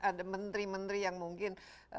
ada menteri menteri yang mungkin